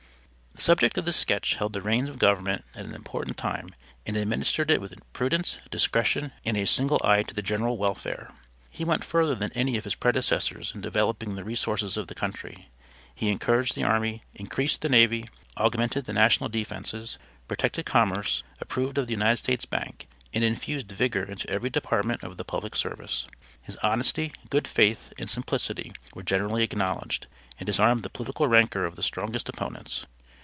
The subject of this sketch held the reins of government at an important time and administered it with prudence, discretion, and a single eye to the general welfare. He went further than any of his predecessors in developing the resources of the country. He encouraged the army, increased the navy, augmented the national defences, protected commerce, approved of the United States Bank, and infused vigor into every department of the public service. His honesty, good faith, and simplicity were generally acknowledged, and disarmed the political rancor of the strongest opponents.